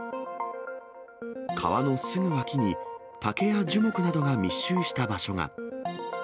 川のすぐ脇に、竹や樹木などが密集した場所が。